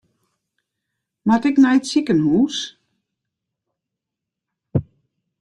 Moat ik nei it sikehûs?